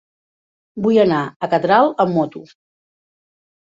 Vull anar a Catral amb moto.